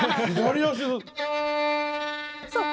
そう。